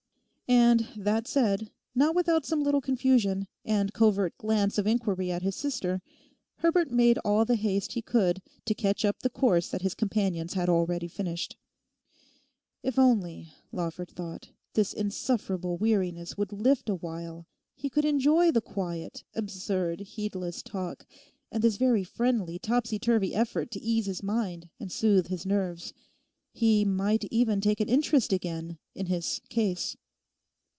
And that said, not without some little confusion, and covert glance of inquiry at his sister, Herbert made all the haste he could to catch up the course that his companions had already finished. If only, Lawford thought, this insufferable weariness would lift awhile he could enjoy the quiet, absurd, heedless talk, and this very friendly topsy turvy effort to ease his mind and soothe his nerves. He might even take an interest again in his 'case.